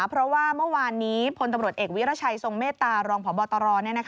เพราะว่าเมื่อวานนี้พลตำรวจเอกวิรัชัยทรงเมตตารองพบตร